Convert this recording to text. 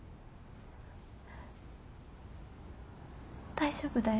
大丈夫だよ。